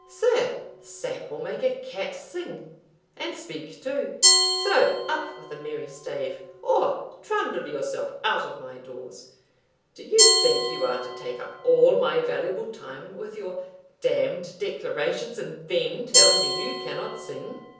Sir, sack will make a cat sing, and speak too; so up with a merry stave, or trundle yourself out of my doors! Do you think you are to take up all my valuable time with your d d declarations, and then tell me you cannot sing?"